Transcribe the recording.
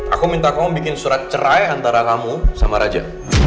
aku minta kamu bikin surat cerai antara kamu sama raja